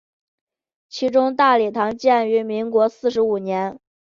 其中大礼堂建于民国四十五年。